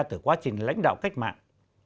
từ quá trình lãnh đạo cách mạng